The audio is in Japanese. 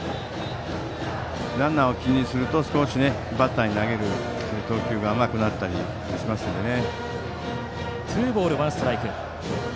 ランナーを気にすると少しバッターに投げる投球が甘くなったりしますのでね。